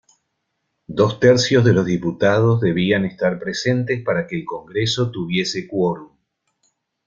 Dos tercios de los diputados debían estar presentes para que el Congreso tuviese quórum.